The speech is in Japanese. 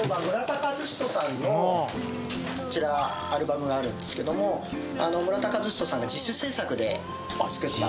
こちらアルバムがあるんですけども村田和人さんが自主制作で作ったＣＤで。